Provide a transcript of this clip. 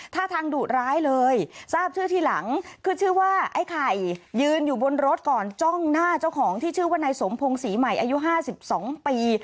ท่าทางดุร้ายเลยทราบชื่อทีหลังคือชื่อว่าไอ้ไข่ยืนอยู่บนรถก่อนจ้องหน้าเจ้าของที่ชื่อว่านายสมพงศรีใหม่อายุ๕๒ปี